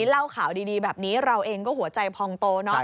เล่าข่าวดีแบบนี้เราเองก็หัวใจพองโตเนอะ